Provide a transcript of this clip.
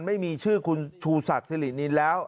ไม่มีชื่อคุณชูศักดิ์สิรินินแล้ว